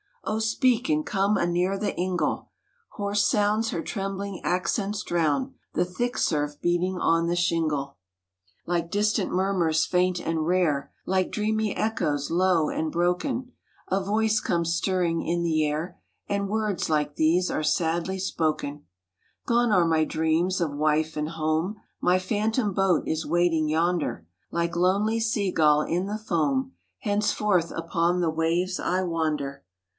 Oh ! speak, and come anear the ingle," Hoarse sounds her trembling accents drown ; The thick surf beating on the shingle. A LEGEND OF CONNEMARA 127 Like distant murmurs faint and rare, Like dreamy echoes low and broken, A voice comes stirring in the air, And words like these are sadly spoken :" Gone are my dreams of wife and home, My phantom boat is waiting yonder, Like lonely sea gull in the foam, Henceforth upon the waves I wander.